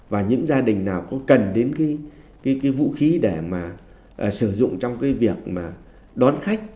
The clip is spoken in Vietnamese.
và những gia đình nào cũng cần đến cái vũ khí để mà sử dụng trong cái việc mà đón khách